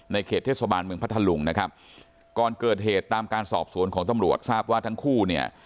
เขตเทศบาลเมืองพัทธลุงนะครับก่อนเกิดเหตุตามการสอบสวนของตำรวจทราบว่าทั้งคู่เนี่ย